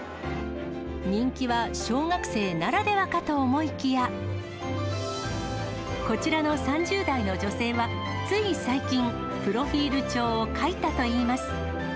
人気は小学生ならではかと思いきや、こちらの３０代の女性は、つい最近、プロフィール帳を書いたといいます。